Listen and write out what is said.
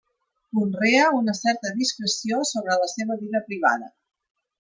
Conrea una certa discreció sobre la seva vida privada.